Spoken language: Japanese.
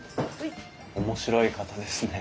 面白い方ですね。